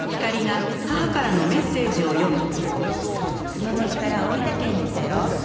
「熊本から大分県に来たよ」